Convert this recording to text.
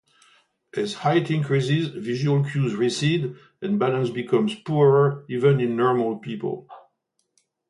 As height increases, visual cues recede and balance becomes poorer even in normal people.